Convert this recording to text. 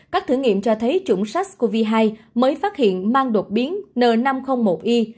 các thử nghiệm cho thấy chủng sars cov hai mới phát hiện mang đột biến n năm trăm linh một i